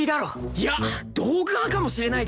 いや道具派かもしれないだろ！